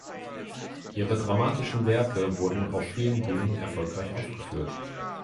Ihre dramatischen Werke wurden auf vielen Bühnen erfolgreich aufgeführt.